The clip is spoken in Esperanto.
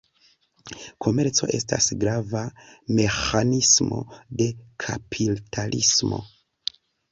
Komerco estas grava meĥanismo de kapitalismo.